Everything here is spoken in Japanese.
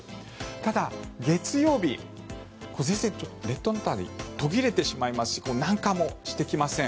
ただ、月曜日前線ちょっと列島の辺り途切れてしまい南下もしてきません。